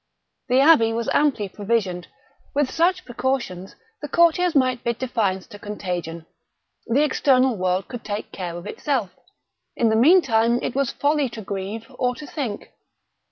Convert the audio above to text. The abbey was amply provisioned. With such precautions the courtiers might bid defiance to contagion. The external world could take care of itself. In the meantime it was folly to grieve, or to think.